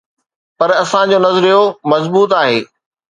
پر اسان جو نظريو مضبوط آهي.